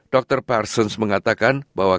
dr parsons mengatakan bahwa